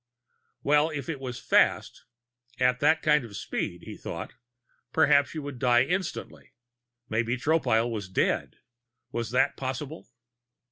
Well, if it was fast at that kind of speed, he thought, perhaps you would die instantly. Maybe Tropile was dead. Was that possible?